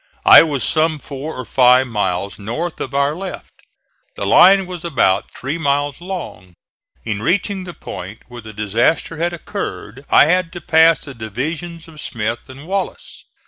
I was some four or five miles north of our left. The line was about three miles long. In reaching the point where the disaster had occurred I had to pass the divisions of Smith and Wallace.